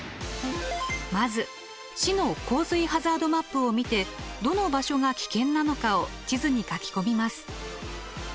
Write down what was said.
まず市の洪水ハザードマップを見てどの場所が危険なのかを地図に書き込みます。